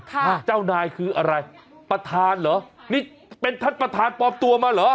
ค่ะใช่ค่ะ